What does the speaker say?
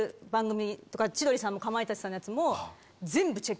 千鳥さんもかまいたちさんのやつも。